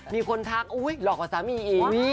มีคนทักหลอกกว่าสามีอีก